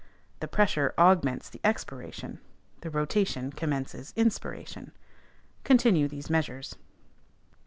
(The pressure augments the _ex_piration, the rotation commences _in_spiration.) Continue these measures.